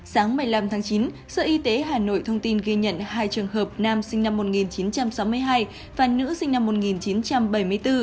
sáng một mươi năm tháng chín sở y tế hà nội thông tin ghi nhận hai trường hợp nam sinh năm một nghìn chín trăm sáu mươi hai và nữ sinh năm một nghìn chín trăm bảy mươi bốn